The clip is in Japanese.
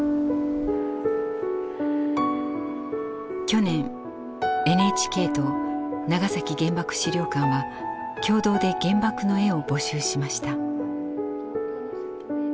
去年ＮＨＫと長崎原爆資料館は共同で原爆の絵を募集しました。